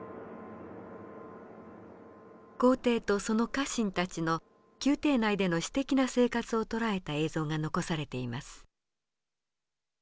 皇帝とその家臣たちの宮廷内での私的な生活をとらえた映像が残されています。